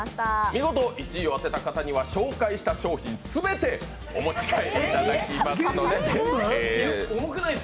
見事１位を当てた方には、紹介した商品全てお持ち帰りいただきますので。